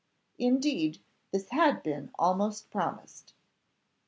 Indeed, this has been almost promised.